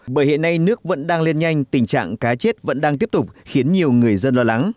bởi hiện nay nước vẫn đang lên nhanh tình trạng cá chết vẫn đang tiếp tục khiến nhiều người dân lo lắng